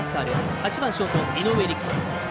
８番ショート井上陸。